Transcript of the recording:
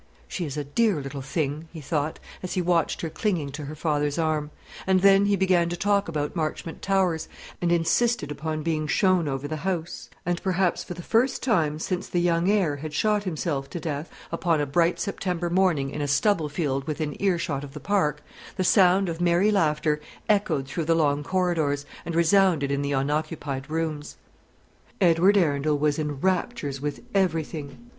"She is a dear little thing," he thought, as he watched her clinging to her father's arm; and then he began to talk about Marchmont Towers, and insisted upon being shown over the house; and, perhaps for the first time since the young heir had shot himself to death upon a bright September morning in a stubble field within earshot of the park, the sound of merry laughter echoed through the long corridors, and resounded in the unoccupied rooms. Edward Arundel was in raptures with everything.